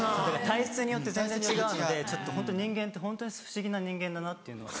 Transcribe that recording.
体質によって全然違うんでちょっと人間ってホント不思議な人間だなっていうのは。